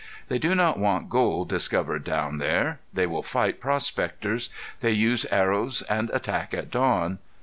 They do not want gold discovered down there. They will fight prospectors. They use arrows and attack at dawn.